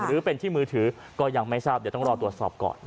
หรือเป็นที่มือถือก็ยังไม่ทราบเดี๋ยวต้องรอตรวจสอบก่อน